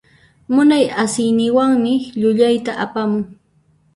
Munay asiyninwanmi llullayta apamun.